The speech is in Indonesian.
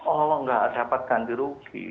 oh nggak dapat ganti rugi